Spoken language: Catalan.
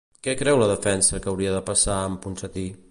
Què creu la defensa que hauria de passar amb Ponsatí?